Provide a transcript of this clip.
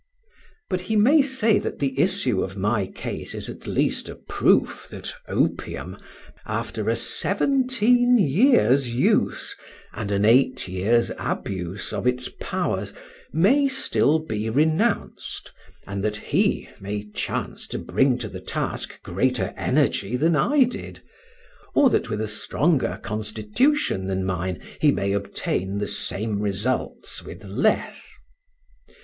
But he may say that the issue of my case is at least a proof that opium, after a seventeen years' use and an eight years' abuse of its powers, may still be renounced, and that he may chance to bring to the task greater energy than I did, or that with a stronger constitution than mine he may obtain the same results with less.